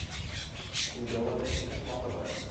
তিনি দেওবন্দের শিক্ষা সমাপ্ত করেন।